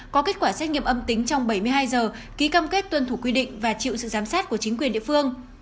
có kết quả xét nghiệm âm tính trong bảy mươi hai giờ ký cam kết tuân thủ quy định và chịu sự giám sát của chính quyền địa phương